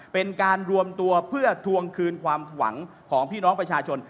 เป็นการรวมตัวเพื่อทวงคืนความหวังของพี่น้องประชาชน